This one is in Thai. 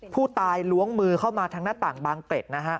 ผู้ตายล้วงมือเข้ามาทางหน้าต่างบางเกร็ดนะฮะ